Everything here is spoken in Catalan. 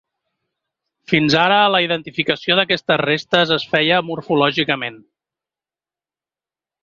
Fins ara la identificació d’aquestes restes es feia morfològicament.